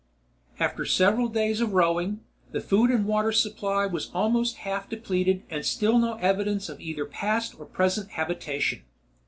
After several days of rowing, the food and water supply was almost half depleted and still no evidence of either past or present habitation.